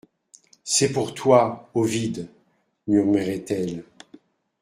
C'est pour toi, Ovide, murmurait-elle.